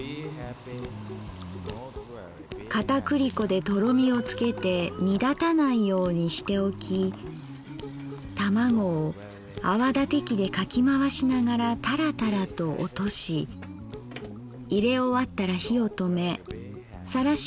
片栗粉でとろみをつけて煮だたないようにしておき玉子を泡立て器でかきまわしながらタラタラと落としいれ終わったら火をとめさらし